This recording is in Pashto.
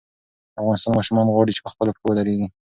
د افغانستان ماشومان غواړي چې په خپلو پښو ودرېږي.